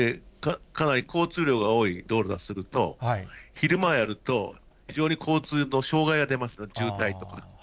かなり交通量が多い道路だとすると、昼間やると、非常に交通の障害が出ます、渋滞とか。